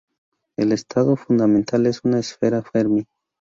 El estado fundamental es una esfera fermi.